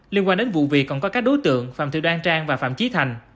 liên quan đến vụ việc còn có các đối tượng phạm thị đoan trang và phạm chí thành